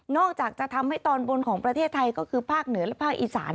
อกจากจะทำให้ตอนบนของประเทศไทยก็คือภาคเหนือและภาคอีสาน